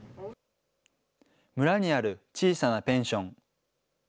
村にある小さなペンション。